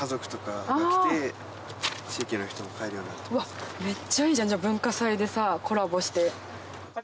わっめっちゃいいじゃんじゃあ文化祭でさコラボして。